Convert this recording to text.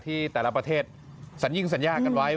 ที่แต่ละประเทศสัญญิงสัญญากันไว้